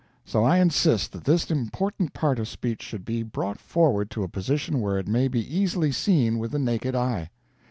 So I insist that this important part of speech should be brought forward to a position where it may be easily seen with the naked eye.